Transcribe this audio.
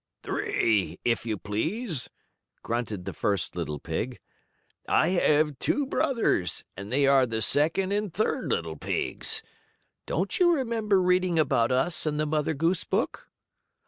"Three, if you please," grunted the first little pig. "I have two brothers, and they are the second and third little pigs. Don't you remember reading about us in the Mother Goose book?"